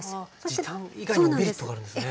時短以外にもメリットがあるんですね。